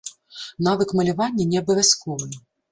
Навык малявання не абавязковы.